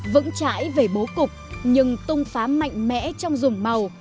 vẫn trải về bố cục nhưng tung phá mạnh mẽ trong dùng màu